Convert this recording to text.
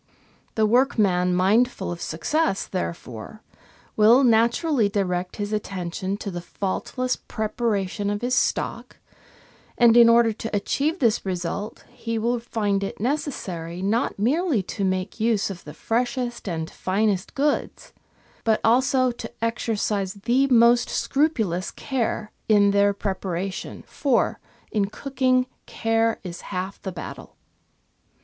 The workman mindful of success, therefore, will naturally direct his attention to the faultless preparation of his stock, and, in order to achieve this result, he will find it necessary not merely to make use of the freshest and finest goods, but also to exercise the most scrupulous care in their preparation, for, in cooking, care is half the battle.